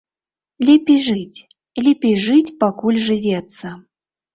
Лепей жыць, лепей жыць, пакуль жывецца.